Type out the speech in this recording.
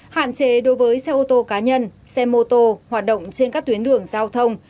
hạn chế đối với xe ô tô cá nhân xe mô tô hoạt động trên các tuyến đường giao thông